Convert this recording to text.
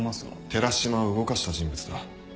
寺島を動かした人物だ。